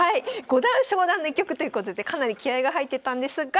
五段昇段の一局ということでかなり気合いが入ってたんですが。